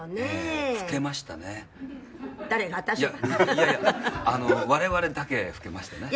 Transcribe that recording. いやいや我々だけ老けましたね。